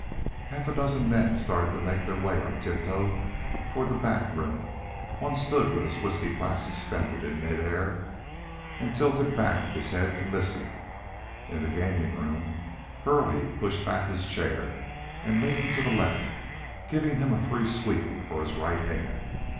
Half a dozen men started to make their way on tiptoe toward the back room. One stood with his whisky glass suspended in midair, and tilted back his head to listen. In the gaming room Hurley pushed back his chair and leaned to the left, giving him a free sweep for his right hand.